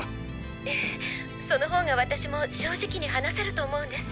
ええそのほうが私も正直に話せると思うんです。